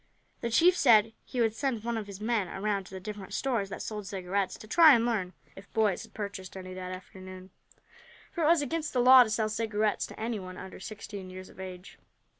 The chief said he would send one of his men around to the different stores that sold cigarettes, to try and learn if boys had purchased any that afternoon, for it was against the law to sell cigarettes to anyone under sixteen years of age.